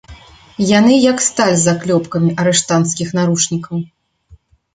Яны як сталь з заклёпкамі арыштанцкіх наручнікаў.